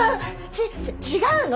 ち違うの！